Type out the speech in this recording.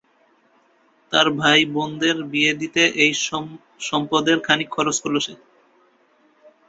তার ভাই বোনদের বিয়ে দিতে এই সম্পদের খানিক খরচ করলো সে।